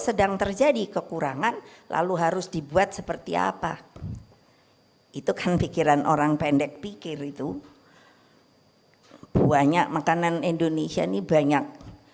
sedang terjadi kekurangan lalu harus dibuat seperti apa jika itu kan pikiran orang pendek